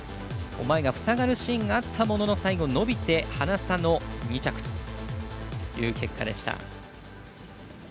前がふさがるシーンがあったものの最後、伸びてハナ差の２着という結果でした。